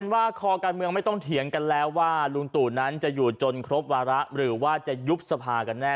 ว่าคอการเมืองไม่ต้องเถียงกันแล้วว่าลุงตู่นั้นจะอยู่จนครบวาระหรือว่าจะยุบสภากันแน่